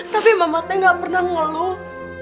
tapi mamatnya gak pernah ngeluh